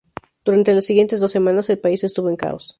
Durante las siguientes dos semanas, el país estuvo en caos.